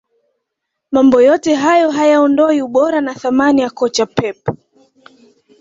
mambo yote hayo hayaondoi ubora na thamani ya kocha pep